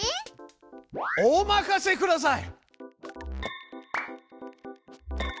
お任せください！